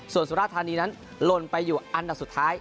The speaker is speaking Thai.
ส่วนสุราธานีนั้นลนไปอยู่อันดับสุดท้าย